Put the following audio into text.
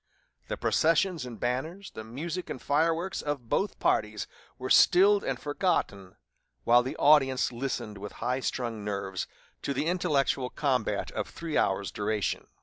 The processions and banners, the music and fireworks, of both parties, were stilled and forgotten while the audience listened with high strung nerves to the intellectual combat of three hours' duration.